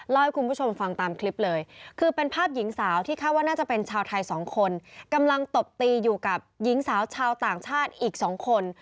ให้คุณผู้ชมฟังตามคลิปเลยคือเป็นภาพหญิงสาวที่คาดว่าน่าจะเป็นชาวไทยสองคนกำลังตบตีอยู่กับหญิงสาวชาวต่างชาติอีกสองคน